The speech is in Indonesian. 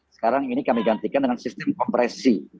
sekarang ini kami gantikan dengan sistem kompresi